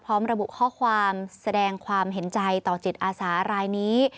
พร้อมระบุข้อความแสดงความเห็นใจต่อจิตอาสารายนี้